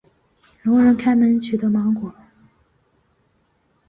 聋人开门取得芒果。